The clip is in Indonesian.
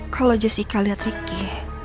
kalau jessica liat ricky